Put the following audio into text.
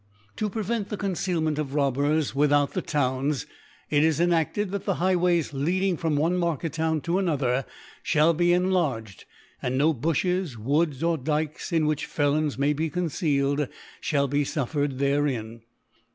To prevent the Concealment of Rob bers without the Towns, it is enadled, That the Highways leading from one Market Town 10 another, fhall be enlarged, and no Bu flies. Woods, or Dykes, in which Felons may be concealed, Ihall be fjffered therein.